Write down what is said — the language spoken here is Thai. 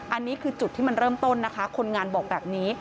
อันนี้คือจุดที่มันเริ่มต้นนะคะคนงานบอกแบบนี้